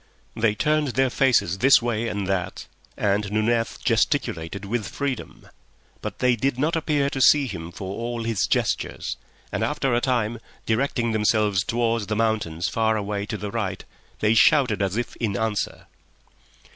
They turned their faces this way and that, and Nunez gesticulated with freedom. But they did not appear to see him for all his gestures, and after a time, directing themselves towards the mountains far away to the right, they shouted as if in answer.